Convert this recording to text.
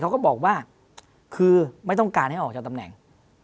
ก็บอกว่าคือไม่ต้องการให้ออกจากตำแหน่ง